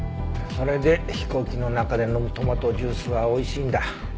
それで飛行機の中で飲むトマトジュースはおいしいんだ。